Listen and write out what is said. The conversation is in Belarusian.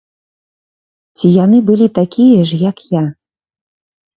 Ці яны былі такія ж, як я?